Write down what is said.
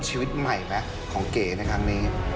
ชีวิตใหม่มั้ยของเก๋นะครับ